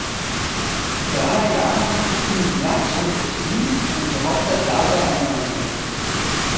Dalai Lama Thubten Gyatso vertrieben und die Hauptstadt Lhasa eingenommen hatte.